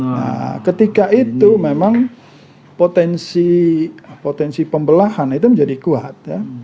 nah ketika itu memang potensi pembelahan itu menjadi kuat ya